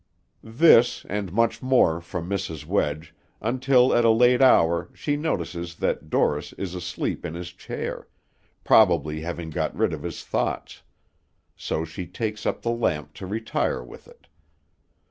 This, and much more, from Mrs. Wedge, until at a late hour she notices that Dorris is asleep in his chair, probably having got rid of his thoughts; so she takes up the lamp to retire with it.